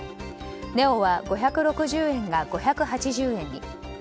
ネオは５６０円が５８０円に。